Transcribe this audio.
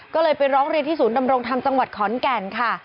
ก็เลยไปร้องเรียนที่ศูนย์ดำรงธรรมจังหวัดขอนแก่นค่ะ